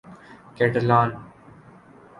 Catalan